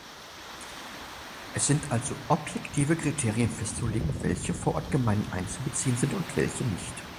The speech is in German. Es sind also objektive Kriterien festzulegen, welche Vorortgemeinden einzubeziehen sind und welche nicht.